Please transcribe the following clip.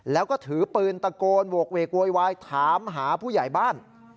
แล้วก็ถือปืนตะโกนโหกเวกโวยวายถามหาผู้ใหญ่บ้าน